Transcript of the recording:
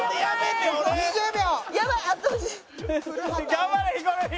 頑張れヒコロヒー！